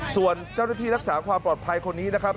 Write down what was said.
ส่วนเจ้าหน้าที่รักษาความปลอดภัยคนนี้นะครับ